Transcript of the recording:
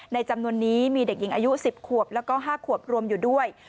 จำนวนนี้มีเด็กหญิงอายุ๑๐ขวบแล้วก็๕ขวบรวมอยู่ด้วย